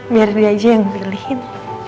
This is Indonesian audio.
biar dia aja yang milihin